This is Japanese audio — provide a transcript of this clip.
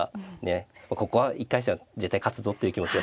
ここは１回戦は絶対勝つぞという気持ちが伝わる。